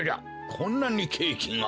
こんなにケーキが！